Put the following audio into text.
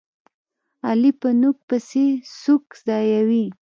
علي په نوک پسې سوک ځایوي.